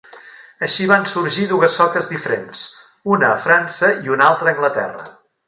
Així van sorgir dues soques diferents, una a França i una altra a Anglaterra.